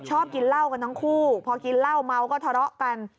ชอบกินเหล้ากันทั้งคู่พอกินเหล้าเมาก็ทะเลาะกัน